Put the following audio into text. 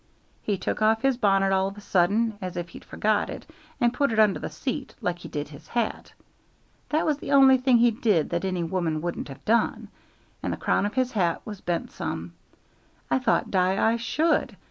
He took off his bonnet all of a sudden, as if he'd forgot it, and put it under the seat, like he did his hat that was the only thing he did that any woman wouldn't have done and the crown of his cap was bent some. I thought die I should.